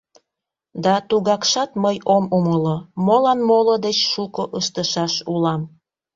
— Да тугакшат мый ом умыло: молан моло деч шуко ыштышаш улам?